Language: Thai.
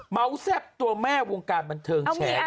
เมาซ์แยบตัวแม่วงการบรรเทิงแชน